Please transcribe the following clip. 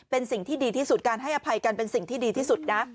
เป็นสิ่งที่ดีที่สุดการให้อภัยกันเป็นสิ่งที่ดีที่สุดนะ